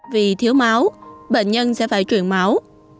vì thiếu máu bệnh nhân sẽ phải truyền máu